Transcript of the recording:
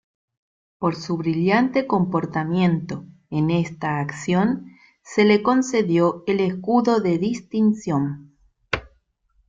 Por su brillante comportamiento en esta acción se le concedió el escudo de Distinción.